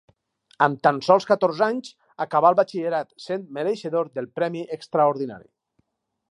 Amb tan sols catorze anys acabà el batxillerat, sent mereixedor del premi extraordinari.